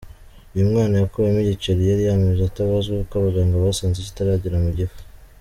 Uyu mwana yakuwemo igiceri yari yamize atabazwe kuko abaganga basanze kitaragera mu gifu.